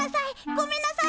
ごめんなさい！